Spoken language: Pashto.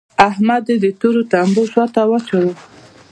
احمد يې د تورو تمبو شا ته واچاوو.